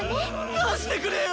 出してくれよ。